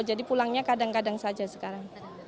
jadi pulangnya kadang kadang saja sekarang